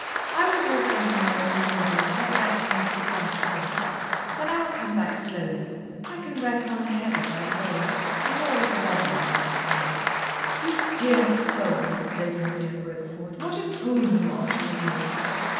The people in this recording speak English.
I will walk over the moor to Maundell and tell Batch it must be sent at once. Then I will come back slowly. I can rest on the heather by the way. The moor is lovely in the afternoon." "You dear soul!" Lady Maria broke forth. "What a boon you are to a woman!"